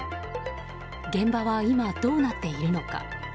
現場は今、どうなっているのか。